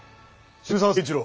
渋沢成一郎。